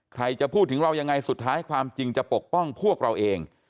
ใครจะพูดถึงเรายังไงสุดท้ายความจริงจะปกป้องพวกเราเอง